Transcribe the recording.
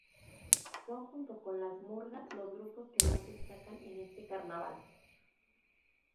Son junto con las murgas los grupos que más destacan en este Carnaval.